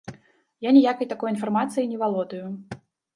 Я ніякай такой інфармацыяй не валодаю.